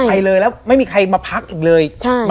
ไปเลยแล้วไม่มีใครมาพักอีกเลย